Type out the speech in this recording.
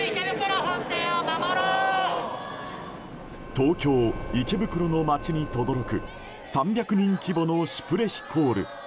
東京・池袋の街にとどろく３００人規模のシュプレヒコール。